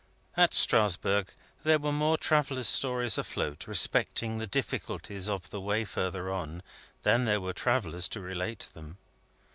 At Strasbourg there were more travellers' stories afloat, respecting the difficulties of the way further on, than there were travellers to relate them.